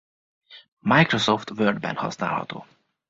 Microsoft Word-ben használható.